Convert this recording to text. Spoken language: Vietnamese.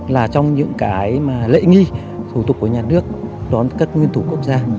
là trong những cái mà lễ nghi thủ tục của nhà nước đón các nguyên thủ quốc gia